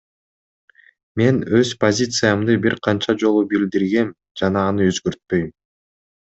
Мен өз позициямды бир канча жолу билдиргем жана аны өзгөртпөйм.